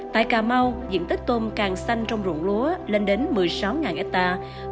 tại cà mau diện tích tôm càng xanh trong rụng lúa lên đến một mươi sáu hectare